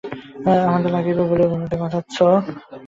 আমাদের লাগবে বলে ওদের বাঁচাচ্ছো?